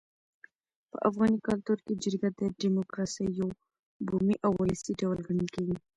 په افغاني کلتور کي جرګه د ډیموکراسۍ یو بومي او ولسي ډول ګڼل کيږي.